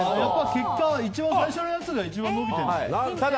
結果、一番最初のやつが一番伸びてるんだ。